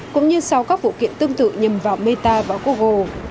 cũng như sau các vụ kiện tương tự nhằm vào meta và google